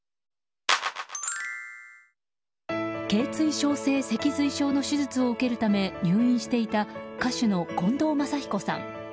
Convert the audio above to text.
頸椎症性脊髄症の手術を受けるため入院していた歌手の近藤真彦さん。